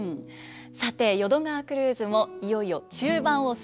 さて淀川クルーズもいよいよ中盤を過ぎました。